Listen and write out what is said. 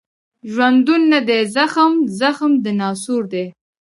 ژوندون نه دی زخم، زخم د ناسور دی